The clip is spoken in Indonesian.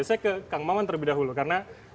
saya ke kang maman terlebih dahulu karena